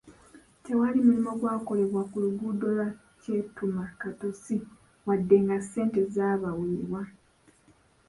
Tewali mulimu gwakolebwa ku luguudo lwa Kyetuma-Katosi wadde nga ssente zaabaweebwa.